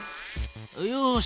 よし。